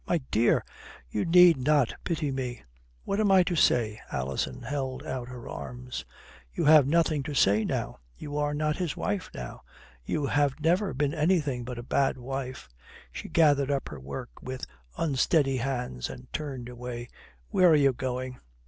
"My dear " "You need not pity me." "What am I to say?" Alison held out her arms. "You have nothing to say now. You are not his wife now. You have never been anything but a bad wife." She gathered up her work with unsteady hands and turned away. "Where are you going?"